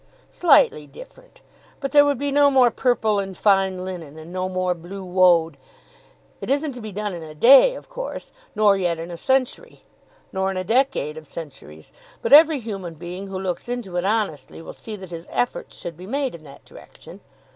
"Slightly different. But there would be no more purple and fine linen, and no more blue woad. It isn't to be done in a day of course, nor yet in a century, nor in a decade of centuries; but every human being who looks into it honestly will see that his efforts should be made in that direction.